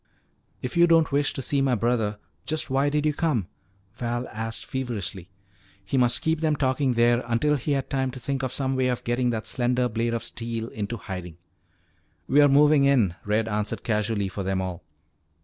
"If you don't wish to see my brother, just why did you come?" Val asked feverishly. He must keep them talking there until he had time to think of some way of getting that slender blade of steel into hiding. "We're movin' in," Red answered casually for them all.